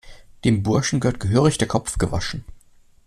Dem Burschen gehört gehörig der Kopf gewaschen!